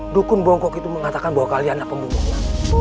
dukun bongkok itu mengatakan bahwa kalianlah pembunuhnya